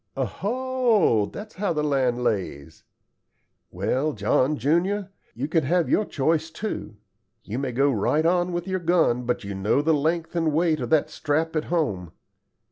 "Oho, that's how the land lays. Well, John junior, you can have your choice, too. You may go right on with your gun, but you know the length and weight of that strap at home.